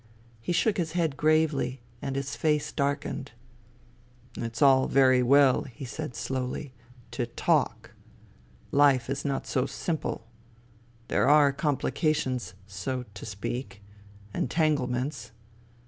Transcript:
He shook his head gravely and his face darkened. " It's all very well," he said slowly, " to talk. Life is not so simple. There are complications, so THE THREE SISTERS 17 to speak, entanglements.